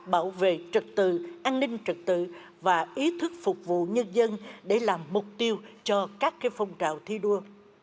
bảo vệ trực tự an ninh trật tự và ý thức phục vụ nhân dân để làm mục tiêu cho các phong trào thi đua